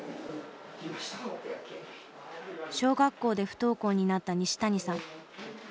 小学校で不登校になった西谷さん。